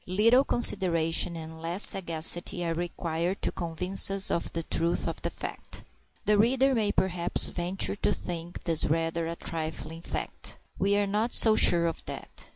Little consideration and less sagacity are required to convince us of the truth of that fact. The reader may perhaps venture to think this rather a trifling fact. We are not so sure of that.